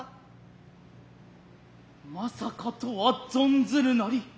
まさかとは存ずるなり